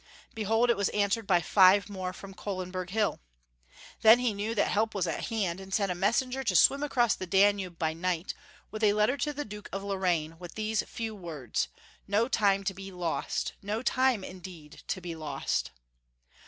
Behold, it was answered by five more from Kohlenberg hill ! Then he knew that help was at hand, and sent a messenger to swim across the Danube by night with a letter to the Duke of Lorraine with these few words — "No time to be lost. No time indeed to be lost."